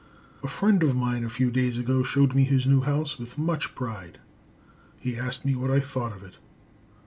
A friend of mine a few days ago showed me his new house with much pride. He asked me what I thought of it.